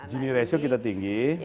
gini rasio kita tinggi